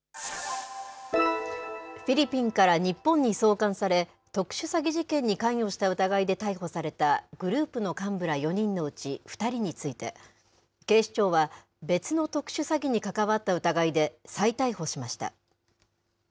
フィリピンから日本に送還され、特殊詐欺事件に関与した疑いで逮捕されたグループの幹部ら４人のうち２人について、警視庁は、別の特殊詐欺に関わった疑いで再逮捕しました。